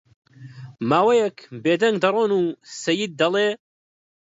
ماوەیەک بێ دەنگ دەڕۆن و سەید دەڵێ: